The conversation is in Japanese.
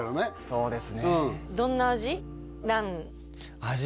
そうです